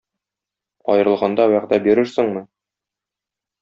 Аерылганда вәгъдә бирерсеңме